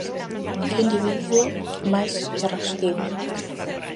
Que individuo máis irascible.